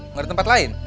gak ada tempat lain